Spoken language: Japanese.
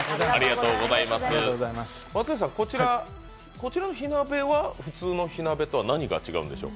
こちらの火鍋は普通の火鍋とは何が違うんでしょう？